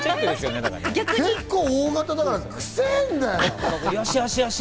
結構大型だから、くせぇんだよ！